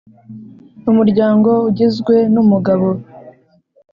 Umuryango ugizwe nu mugabo